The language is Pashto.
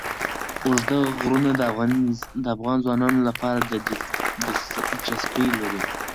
اوږده غرونه د افغان ځوانانو لپاره دلچسپي لري.